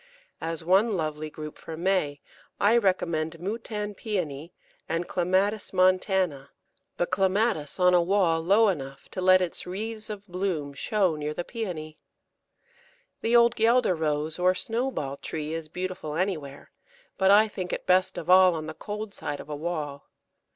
As one lovely group for May I recommend Moutan Pæony and Clematis montana, the Clematis on a wall low enough to let its wreaths of bloom show near the Pæony. The old Guelder Rose or Snowball tree is beautiful anywhere, but I think it best of all on the cold side of a wall.